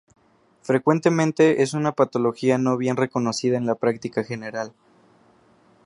Frecuentemente es una patología no bien reconocida en la práctica general.